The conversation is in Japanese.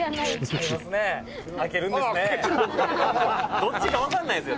「どっちかわかんないんですよ